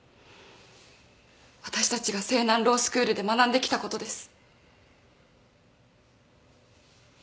私たちが青南ロースクールで学んできたことです。